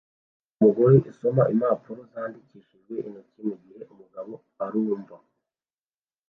Umugore usoma impapuro zandikishijwe intoki mugihe umugabo arumva